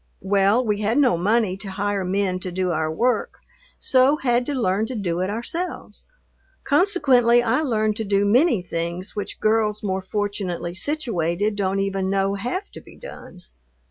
Well, we had no money to hire men to do our work, so had to learn to do it ourselves. Consequently I learned to do many things which girls more fortunately situated don't even know have to be done.